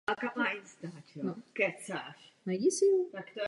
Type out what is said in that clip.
Tento tvar zlepšuje letové vlastnosti při nízkých rychlostech.